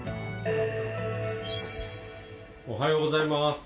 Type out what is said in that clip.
おはようございます。